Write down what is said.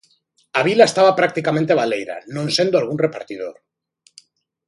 A vila estaba practicamente baleira, non sendo algún repartidor.